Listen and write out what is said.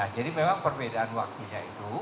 jadi memang perbedaan waktunya itu